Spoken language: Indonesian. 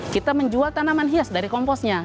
kita menjual tanaman hias dari komposnya